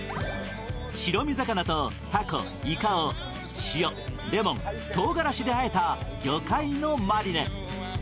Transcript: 白身魚とたこ、いかを塩、レモン、とうがらしであえた魚介のマリネ。